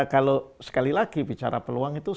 kalau sekali lagi bicara peluang itu